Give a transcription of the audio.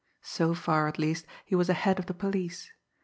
So far, at least, he was ahead of the police.